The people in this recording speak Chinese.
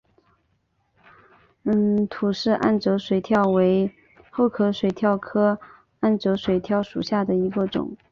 吐氏暗哲水蚤为厚壳水蚤科暗哲水蚤属下的一个种。